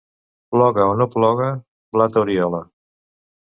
Ploga o no ploga, blat a Oriola.